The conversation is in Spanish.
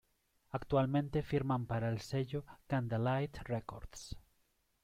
Actualmente firman para el sello Candlelight Records.